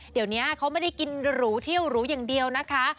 เดี๋ยวนี้เขาไม่ได้กินหรูเที่ยวหรูอย่างเดียวนะคะ